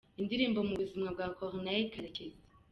Indirimbo mu buzima bwa Corneille Karekezi.